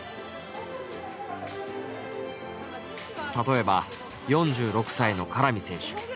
例えば４６歳の唐見選手。